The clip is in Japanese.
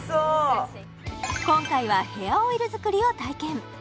今回はヘアオイル作りを体験